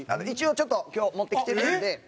一応ちょっと今日持ってきてるんで。